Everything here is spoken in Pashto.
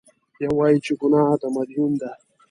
یو وایي چې ګناه د مدون ده.